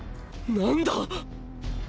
何だ